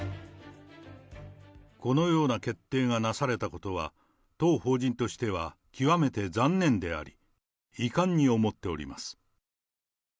このような決定がなされたことは、当法人としては極めて残念であり、遺憾に思っております。